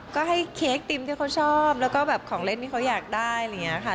ก็ให้เค้กติมที่เขาชอบแล้วก็แบบของเล่นที่เขาอยากได้อะไรอย่างนี้ค่ะ